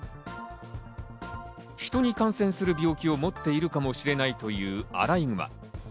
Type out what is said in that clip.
人に感染する病気を持っているかもしれないというアライグマ。